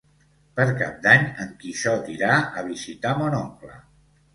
Per Cap d'Any en Quixot irà a visitar mon oncle.